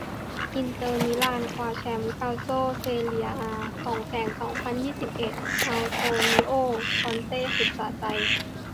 อินเตอร์ มิลาน คว้าแชมป์ กัลโช่ เซเรีย อา สองแสนสองพันยี่สิบเอ็ด อันโตนิโอ คอนเต้ สุดสะใจ